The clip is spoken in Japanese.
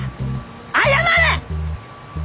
謝れ！